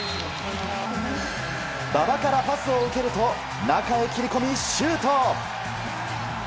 馬場からパスを受けると、中へ切り込みシュート。